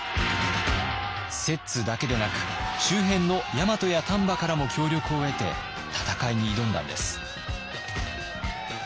摂津だけでなく周辺の大和や丹波からも協力を得て戦いに挑んだんです。